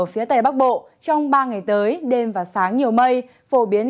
họ tên bố nguyễn văn bình